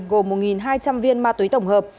gồm một hai trăm linh viên ma túy tổng hợp